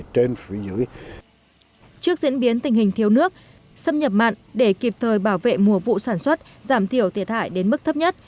trước diễn biến tình hình thiếu nước xâm nhập mặn để kịp thời bảo vệ mùa vụ sản xuất giảm thiểu thiệt hại đến mức thấp nhất